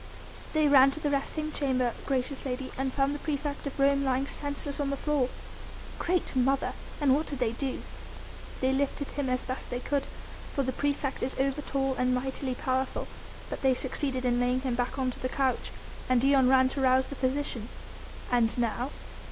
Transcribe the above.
"They ran to the resting chamber, gracious lady, and found the praefect of Rome lying senseless on the floor." "Great Mother!... and what did they do?" "They lifted him as best they could; for the praefect is over tall and mightily powerful. But they succeeded in laying him back on to the couch, and Dion ran to rouse the physician." "And now?"